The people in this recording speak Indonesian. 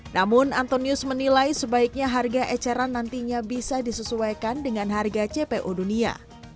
namun antonius menilai sebaiknya harga eceran nantinya bisa disesuaikan dengan harga cpo dunia